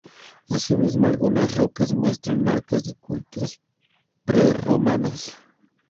Así mismo algunas rocas muestran marcas de cultos prerromanos.